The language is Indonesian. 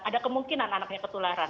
ada kemungkinan anaknya ketularan